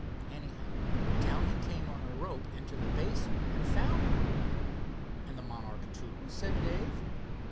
Anyhow, down he came on a rope into the basin and found me." "And the Monarch II," said Dave.